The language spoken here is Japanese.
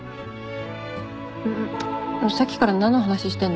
さっきから何の話してんの？